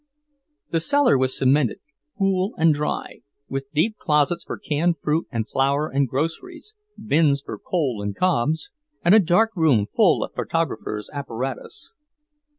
The cellar was cemented, cool and dry, with deep closets for canned fruit and flour and groceries, bins for coal and cobs, and a dark room full of photographer's apparatus.